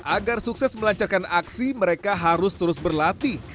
agar sukses melancarkan aksi mereka harus terus berlatih